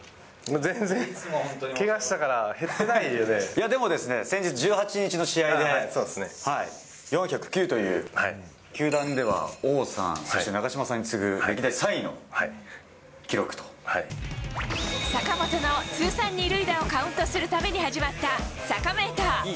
全然けがしたから減ってないでもですね、先日、１８日の試合で、４０９という、球団では王さん、そして長嶋さんに次ぐ歴坂本の通算２塁打をカウントするために始まった、サカメーター。